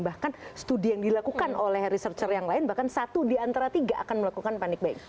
bahkan studi yang dilakukan oleh researcher yang lain bahkan satu di antara tiga akan melakukan panic buying